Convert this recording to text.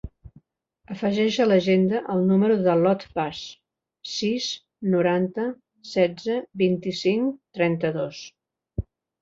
Afegeix a l'agenda el número de l'Ot Bas: sis, noranta, setze, vint-i-cinc, trenta-dos.